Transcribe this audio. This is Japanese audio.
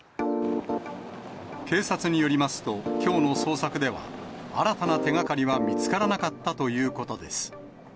警察によりますと、きょうの捜索では、新たな手がかりは見つからなかったということです。